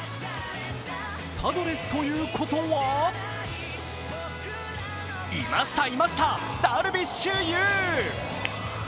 パドレスということはいました、いましたダルビッシュ有！